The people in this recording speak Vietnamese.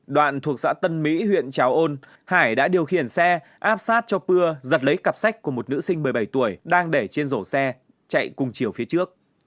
đoạn thuộc xã tân mỹ huyện trà ôn hải đã điều khiển xe áp sát cho pưa giật lấy cặp sách của một nữ sinh một mươi bảy tuổi đang để trên rổ xe chạy cùng chiều phía trước